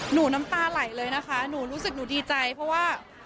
น้ำตาไหลเลยนะคะหนูรู้สึกหนูดีใจเพราะว่า